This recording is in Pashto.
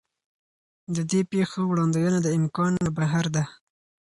د دې پېښو وړاندوینه د امکان نه بهر ده.